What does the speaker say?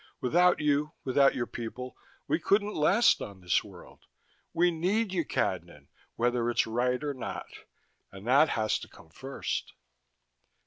Without you, without your people, we couldn't last on this world. We need you, Cadnan, whether it's right or not: and that has to come first."